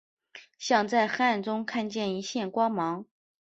像在黑暗中看见一线光芒